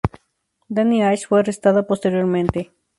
Danni Ashe fue arrestada posteriormente.